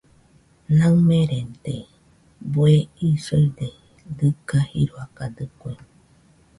Naɨmerede bueisoide dɨga jiroakadɨkue.